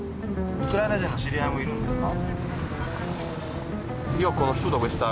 ウクライナ人の知り合いもいるんですか？